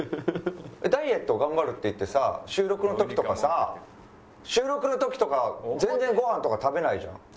ダイエットを頑張るって言ってさ収録の時とかさ収録の時とか全然ごはんとか食べないじゃん。